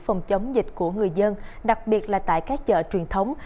phòng chống dịch của người dân đặc biệt là tại các chợ truyền thống